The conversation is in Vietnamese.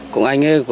cũng anh ấy